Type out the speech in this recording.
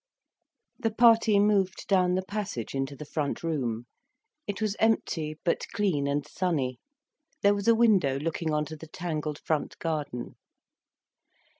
The party moved down the passage into the front room. It was empty, but clean and sunny. There was a window looking on to the tangled front garden.